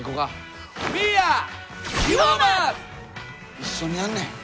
一緒にやんねん。